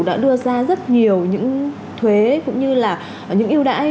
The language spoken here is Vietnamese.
đã đưa ra rất nhiều những thuế cũng như là những yêu đãi